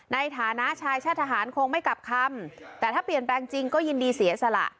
ในฐานะชายชาติทหารคงไม่กลับคำแต่ถ้าเปลี่ยนแปลงจริงก็ยินดีเสียสละ